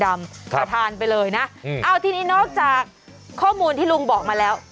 ประธานไปเลยนะเอาทีนี้นอกจากข้อมูลที่ลุงบอกมาแล้ว